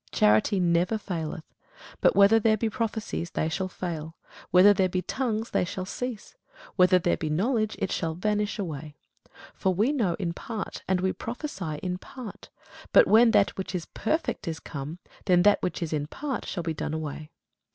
Charity never faileth: but whether there be prophecies, they shall fail; whether there be tongues, they shall cease; whether there be knowledge, it shall vanish away. For we know in part, and we prophesy in part. But when that which is perfect is come, then that which is in part shall be done away.